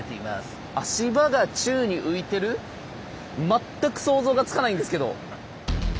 全く想像がつかないんですけど。